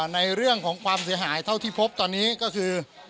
ในเรื่องของความเสียหายเท่าที่พบตอนนี้ก็คือ